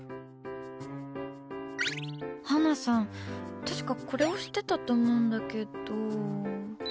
ハナさん、確かこれを押してたと思うんだけど。